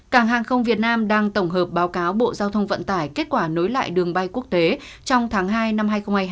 cảng hàng không việt nam đang tổng hợp báo cáo bộ giao thông vận tải kết quả nối lại đường bay quốc tế trong tháng hai năm hai nghìn hai mươi hai